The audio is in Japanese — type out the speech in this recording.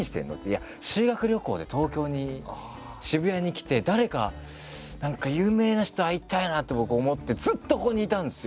「いや修学旅行で東京に渋谷に来て誰か何か有名な人と会いたいなって僕思ってずっとここにいたんですよ！」